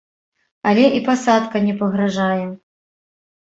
Але і пасадка не пагражае.